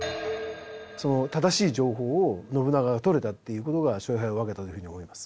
その正しい情報を信長が取れたっていうことが勝敗を分けたというふうに思います。